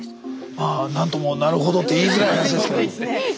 まあなんともなるほどって言いづらい話ですけど。